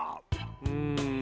うん。